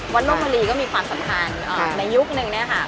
วันโรคโมลีก็มีความสำคัญในยุคนึงแน่ค่ะ